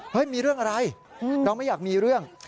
มีเรื่องอะไรเราไม่อยากมีเรื่อง